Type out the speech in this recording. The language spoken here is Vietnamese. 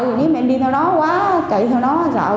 nhưng mà em đi theo nó quá chạy theo nó quá sợ